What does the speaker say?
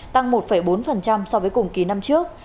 tăng một bốn so với cùng kỳ năm trước